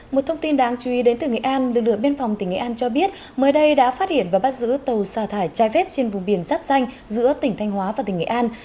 một thông tin đáng chú ý đến từ nghệ an lực lượng biên phòng tỉnh nghệ an cho biết mới đây đã phát hiện và bắt giữ tàu xà thải trai phép trên vùng biển giáp danh giữa tỉnh thanh hóa và tỉnh nghệ an